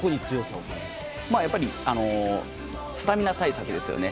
やっぱりスタミナ対策ですよね。